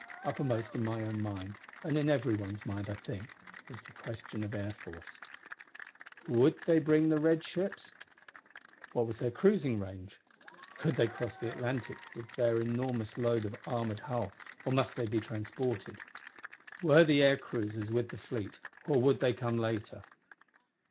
Uppermost in my own mind, and in everyone's mind, I think, was the question of air force. Would they bring the red ships? What was their cruising range? Could they cross the Atlantic with their enormous load of armored hull, or must they be transported? Were the air cruisers with the fleet, or would they come later?